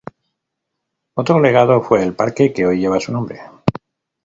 Otro legado fue el parque que hoy lleva su nombre.